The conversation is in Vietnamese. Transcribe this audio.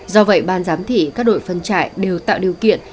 do vậy ban giám thị các đội phân trại đều tạo điều kiện